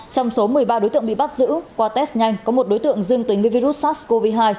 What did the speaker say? trong số một mươi ba đối tượng bị bắt giữ qua test nhanh có một đối tượng dương tính với virus sars cov hai